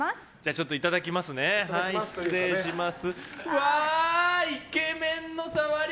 ちょっといただきますねはい、失礼します。